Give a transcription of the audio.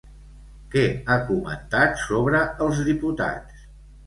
Què ha comentat sobre els diputats?